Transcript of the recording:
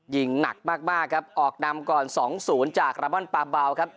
ยิงหนักมากมากครับออกนำก่อนสองศูนย์จากละมั่นปลาเบาครับ